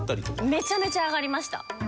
めちゃめちゃ上がりました。